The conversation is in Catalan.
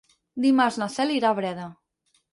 Dimarts na Cel irà a Breda.